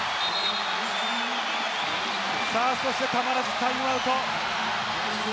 そして、たまらずタイムアウト。